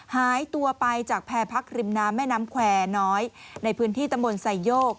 หายตัวไปจากแพรพักริมน้ำแม่น้ำแควร์น้อยในพื้นที่ตำบลไซโยก